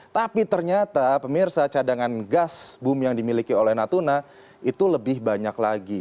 tapi ternyata pemirsa cadangan gas bum yang dimiliki oleh natuna itu lebih banyak lagi